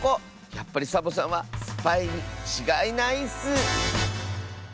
やっぱりサボさんはスパイにちがいないッス！